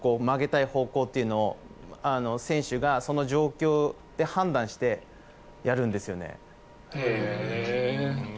曲げたい方向というのを選手がその状況で判断してやるんですよね。